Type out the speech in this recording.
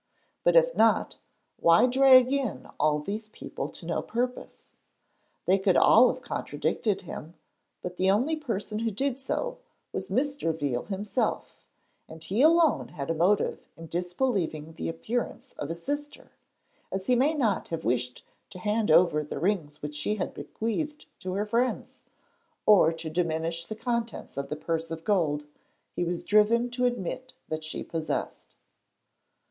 But if not, why drag in all these people to no purpose? They could all have contradicted him, but the only person who did so was Mr. Veal himself, and he alone had a motive in disbelieving the appearance of his sister, as he may not have wished to hand over the rings which she had bequeathed to her friends, or to diminish the contents of the purse of gold he was driven to admit that she possessed.